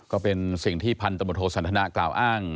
ก็เป็นสิ่งที่พันธบทโทสันทนากล่าวอ้าง